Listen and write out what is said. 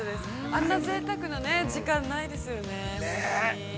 あんなぜいたくな時間ないですよね。